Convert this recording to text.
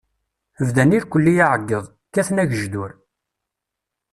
Bdan irkelli aεeggeḍ, kkaten agejdur.